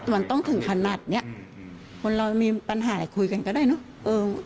มันต้องถึงขนาดนี้คนเรามีปัญหาคุยกันก็ได้